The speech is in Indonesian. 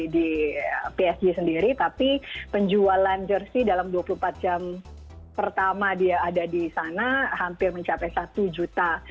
di psg sendiri tapi penjualan jersey dalam dua puluh empat jam pertama dia ada di sana hampir mencapai satu juta